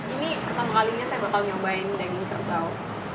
ini pertama kalinya saya bertanggung jawab daging kerbau